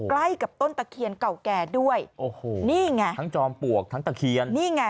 ใกล้กับต้นตะเคียนเก่าแก่ด้วยโอ้โหนี่ไงทั้งจอมปลวกทั้งตะเคียนนี่ไง